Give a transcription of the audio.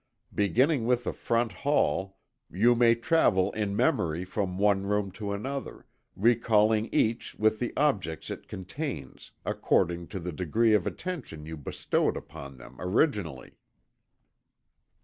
Beginning with the front hall, you may travel in memory from one room to another, recalling each with the objects it contains, according to the degree of attention you bestowed upon them originally.